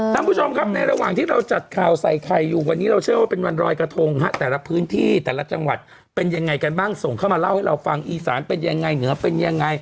ตอนนี้ก็นอกจากที่กรุงเทพตอนนี้ที่เชียงใหม่